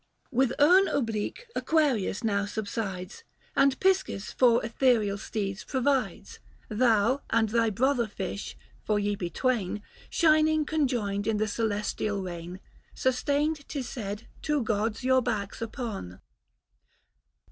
With urn oblique Aquarius now subsides, And Piscis for ethereal steeds provides : Thou and thy brother fish, for ye be twain, Shining conjoined in the celestial reign, Sustained, 'tis said, two gods your backs upon.